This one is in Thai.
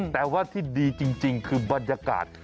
แต่ว่าที่ดีจริงคือบรรยากาศ